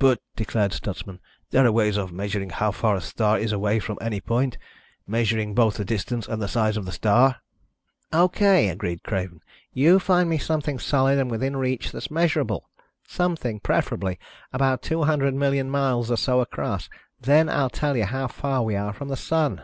"But," declared Stutsman, "there are ways of measuring how far a star is away from any point, measuring both the distance and the size of the star." "Okay," agreed Craven, "you find me something solid and within reach that's measurable. Something, preferably, about 200 million miles or so across. Then I'll tell you how far we are from the Sun.